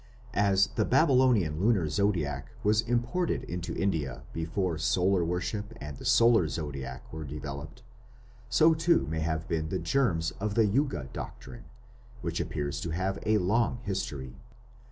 As the Babylonian lunar zodiac was imported into India before solar worship and the solar zodiac were developed, so too may have been the germs of the Yuga doctrine, which appears to have a long history.